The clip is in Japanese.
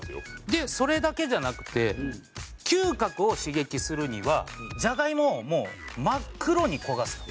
でそれだけじゃなくて嗅覚を刺激するにはジャガイモをもう真っ黒に焦がすと。